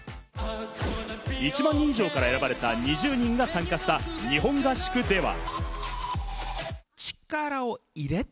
１万人以上から選ばれた２０人が参加した日本合宿では。